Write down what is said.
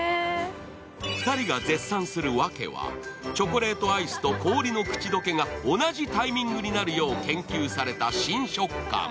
２人が絶賛するわけはチョコレートアイスと氷の口溶けが同じタイミングになるよう研究された新食感。